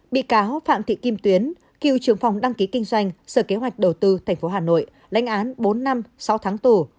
bị cáo phạm thị kim tuyến cựu trưởng phòng đăng ký kinh doanh sở kế hoạch đầu tư tp hà nội lãnh án bốn năm sáu tháng tù